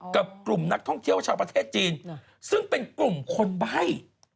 กับกลุ่มนักท่องเที่ยวชาวประเทศจีนซึ่งเป็นกลุ่มคนใบ้